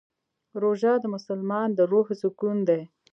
روژه د مسلمان د روح سکون دی.